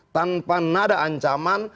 tanpa nada ancaman